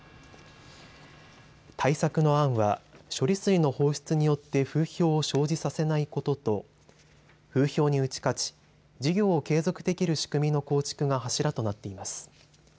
対策の案は処理水の放出によって風評を生じさせないことと風評に打ち勝ち事業を継続できる仕組みの構築が柱となっています。